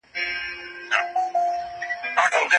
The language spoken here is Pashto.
ټولنپوهنه د ژبې اهمیت هم څېړي.